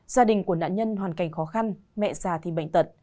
gia đình của nạn nhân hoàn cảnh khó khăn mẹ già thì bệnh tật